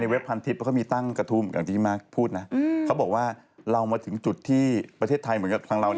ในเว็บพันทิศเขาเคยมีตั้งกระทุมอย่างดีมากพูดนะเขาบอกว่าเรามาถึงจุดที่ประเทศไทยเหมือนกับของเรา